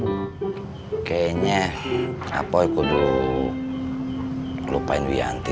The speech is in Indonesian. sepertinya saya sudah lupakan wianti